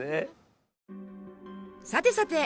さてさて！